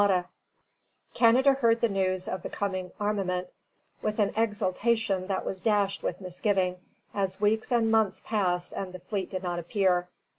] Canada heard the news of the coming armament with an exultation that was dashed with misgiving as weeks and months passed and the fleet did not appear.